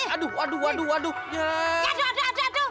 aduh aduh aduh